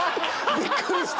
びっくりした。